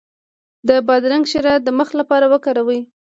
د بادرنګ شیره د مخ لپاره وکاروئ